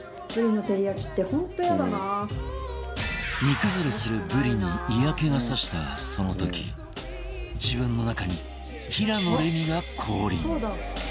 煮崩れするブリに嫌気が差したその時自分の中に平野レミが降臨